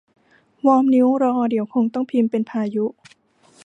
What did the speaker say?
วอร์มนิ้วรอ เดี๋ยวคงต้องพิมพ์เป็นพายุ